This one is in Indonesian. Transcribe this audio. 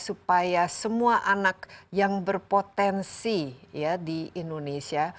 supaya semua anak yang berpotensi di indonesia